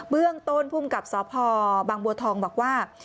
เรื่องต้นภูมิกับสพบางบัวทองบอกว่า